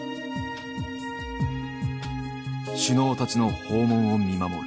首脳たちの訪問を見守る。